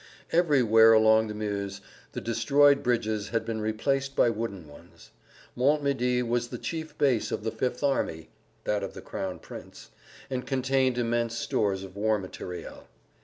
Everywhere along the Meuse the destroyed bridges had been replaced by wooden ones. Montmédy was the chief base of the Fifth Army (that of the Crown Prince), and contained immense stores of war material.